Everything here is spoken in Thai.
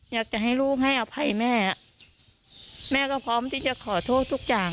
อยากจะให้ลูกให้อภัยแม่แม่ก็พร้อมที่จะขอโทษทุกอย่าง